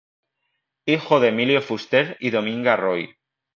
Hijo de Emilio Fuster y Dominga Roy.